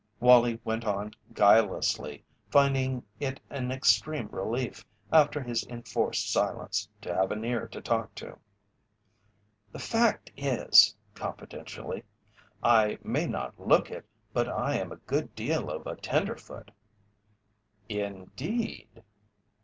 Wallie went on guilelessly, finding it an extreme relief, after his enforced silence, to have an ear to talk into. "The fact is," confidentially, "I may not look it but I am a good deal of a tenderfoot." "Indeed?"